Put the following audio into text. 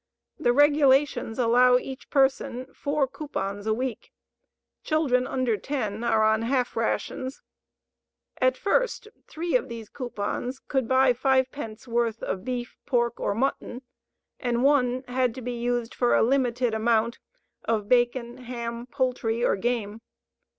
The regulations allow each person 4 coupons a week. Children under 10 are on half rations. At first, 3 of these coupons could buy 5 pence' worth of beef, pork, or mutton, and one had to be used for a limited amount of bacon, ham, poultry, or game.